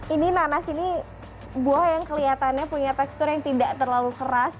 ini nanas ini buah yang kelihatannya punya tekstur yang tidak terlalu keras